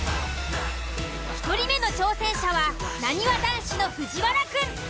１人目の挑戦者はなにわ男子の藤原くん！